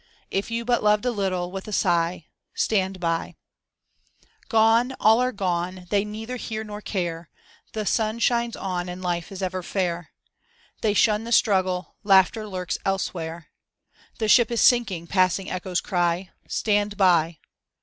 If you but loved a little, with a sigh, "Stand by r Gone, all are gone, they neither hear or care, The sun shines on and life is ever fair. They shun the struggle, laughter lurks ebewhere. The ship is sinking, passing echoes cry, "Stand by!"